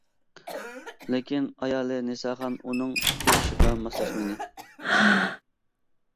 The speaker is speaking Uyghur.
لېكىن ئايالى نىساخان ئۇنىڭ بۇ ئىشىغا ماسلاشمىدى.